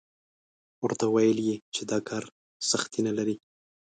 ورته ویل یې چې دا کار سختي نه لري.